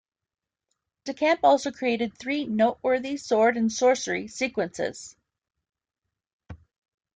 De Camp also created three noteworthy sword and sorcery sequences.